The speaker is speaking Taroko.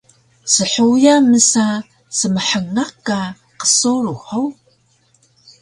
Shuya msa smhngak ka qsurux hug?